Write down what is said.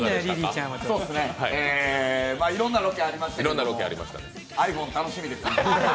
いろんなロケありましたけど、ｉＰｈｏｎｅ楽しみですね。